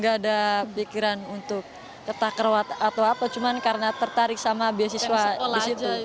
gak ada pikiran untuk ketakrawat atau apa cuma karena tertarik sama beasiswa di situ